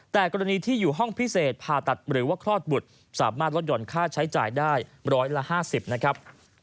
แต่กรณีที่อยู่ห้องพิเศษผ่าตัดหรือว่าคลอดบุตรสามารถลดหย่อนค่าใช้จ่ายได้ร้อยละ๕๐นะครับ